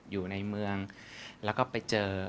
อยู่ในเมืองแล้วก็ไปเจอ